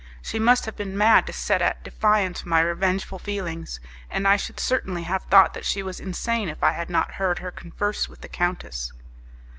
She must have been mad to set at defiance my revengeful feelings, and I should certainly have thought that she was insane if I had not heard her converse with the countess.